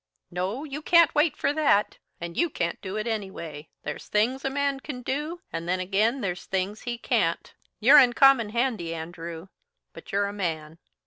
"No, you can't wait for that. And you can't do it anyway. There's things a man can do, and then again there's things he can't. You're uncommon handy, Andrew, but you're a man."